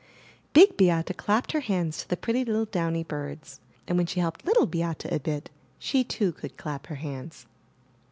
Big Beate clapped her hands to the pretty little downy birds, and, when she helped Little Beate a bit, she too could clap her hands.